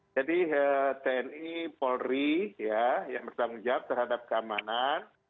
jadi tni polri yang bertanggung jawab terhadap keamanan